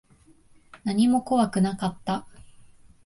何も怖くなかった。